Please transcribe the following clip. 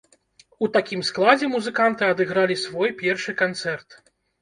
У такім складзе музыканты адыгралі свой першы канцэрт.